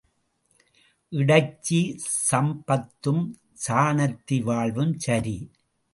இடைச்சி சம்பத்தும் சாணாத்தி வாழ்வும் சரி.